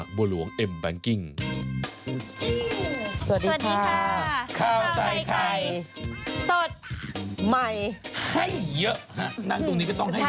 ค่าวใส่ไข่สดใหม่ให้เยอะนั่นตรงนี้ก็ต้องให้เยอะ